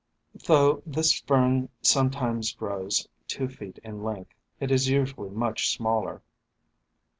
Though this Fern sometimes grows two feet in length, it is usually much smaller.